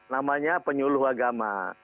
namanya penyuluh agama